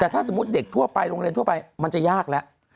แต่ถ้าสมมุติเด็กทั่วไปโรงเรียนทั่วไปมันจะยากแล้ว